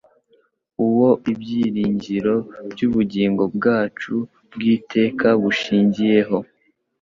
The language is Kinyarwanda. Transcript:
Uwo ibyiringiro by'ubugingo bwacu bw'iteka bushingiyeho,